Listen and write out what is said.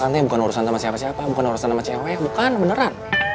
alasannya bukan urusan sama siapa siapa bukan urusan sama cewek bukan beneran